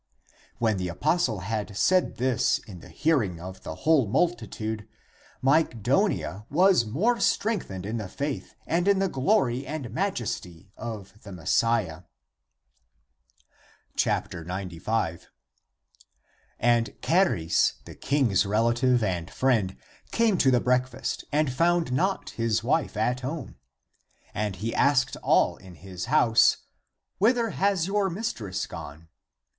When the apostle had said this in the hearing of the whole multitude, Mygdonia was more strengthened in the faith and in the glory and majesty of the Mes siah. 95. And Charis, the king's relative and friend came to the breakfast and found not his wife at home. And he asked all in his house, " Whither has your mistress gone?"